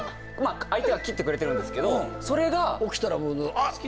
相手は切ってくれてるんですけどそれが起きたら「あっ」